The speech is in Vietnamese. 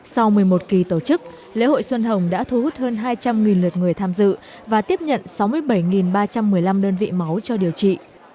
sau một mươi một kỳ tổ chức lễ hội xuân hồng đã thu hút hơn hai trăm linh lượt người tham dự và tiếp nhận sáu mươi bảy ba trăm một mươi năm đơn vị máu cho điều trị